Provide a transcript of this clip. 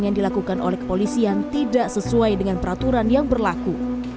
yang dilakukan oleh kepolisian tidak sesuai dengan peraturan yang berlaku